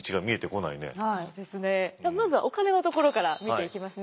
まずはお金のところから見ていきますね。